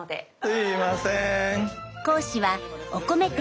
すいません。